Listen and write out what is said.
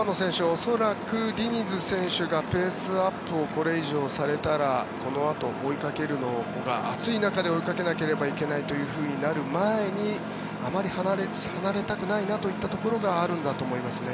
恐らくディニズ選手がペースアップをこれ以上されたらこのあと追いかけるのが暑い中で追いかけなければいけないとなる前にあまり離れたくないなといったところがあるんだと思いますね。